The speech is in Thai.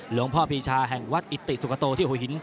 หลวงพ่อพีชาแห่งวัดอิติสุขโตที่หัวหิน